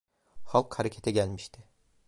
Halk harekete gelmişti.